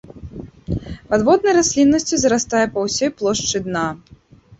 Падводнай расліннасцю зарастае па ўсёй плошчы дна.